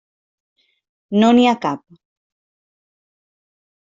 No n'hi ha cap.